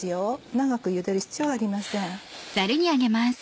長く茹でる必要はありません。